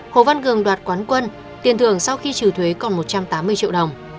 hồ văn cường đoạt quán quân tiền thưởng sau khi trừ thuế còn một trăm tám mươi triệu đồng